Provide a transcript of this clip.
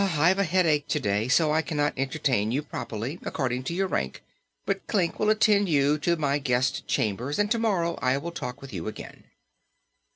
I've a headache to day, so I cannot entertain you properly, according to your rank; but Klik will attend you to my guest chambers and to morrow I will talk with you again."